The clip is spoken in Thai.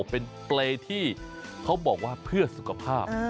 เป็นเปรย์ที่เขาบอกว่าเพื่อสุขภาพ